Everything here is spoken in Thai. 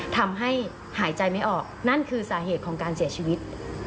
ทำให้หายใจไม่ออกนั่นคือสาเหตุของการเสียชีวิต